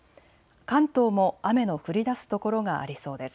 関東も雨の降りだす所がありそうです。